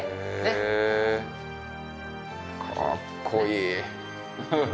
へぇかっこいい。